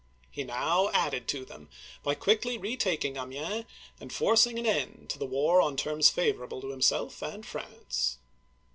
He now added to them by quickly retaking Amiens, and forcing an end to the war on terms favor able to himself and France.